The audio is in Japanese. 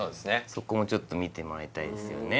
そこもちょっと見てもらいたいですよね